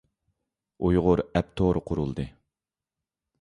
ئۇيغۇر ئەپ تورى قۇرۇلدى.